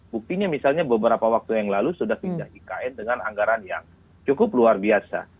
buktinya misalnya beberapa waktu yang lalu sudah pindah ikn dengan anggaran yang cukup luar biasa